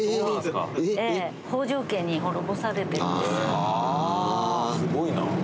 すごいな。